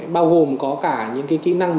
bao gồm có cả những cái kỹ năng